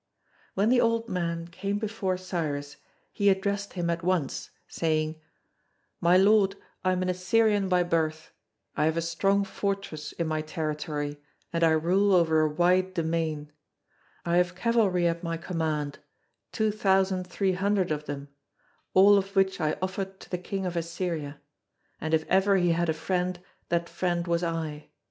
When the old man came before Cyrus, he addressed him at once, saying: "My lord, I am an Assyrian by birth; I have a strong fortress in my territory, and I rule over a wide domain; I have cavalry at my command, two thousand three hundred of them, all of which I offered to the king of Assyria; and if ever he had a friend, that friend was I.